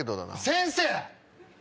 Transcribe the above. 先生！